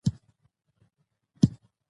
او ډېوه به کور وه،